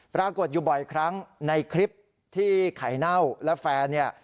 ปรากฏอยู่บ่อยครั้งในคลิปที่ไข่เน่าและแฟนเนี่ย